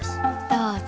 どうぞ。